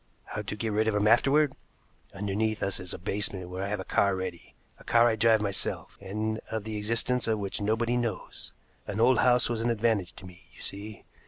How to get rid of him afterward? Underneath us is a basement where I have a car ready, a car I drive myself, and of the existence of which nobody knows. An old house was an advantage to me, you see.